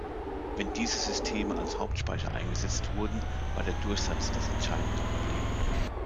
Wenn diese Systeme als Hauptspeicher eingesetzt wurden, war der Durchsatz das entscheidende Problem.